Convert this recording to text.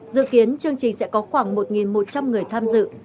dự kiến chương trình sẽ có khoảng một một trăm linh người tham dự